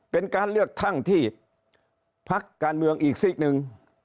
เป็นการเลือกทั่งที่ภักดิ์การเมืองอีกสิบหนึ่ง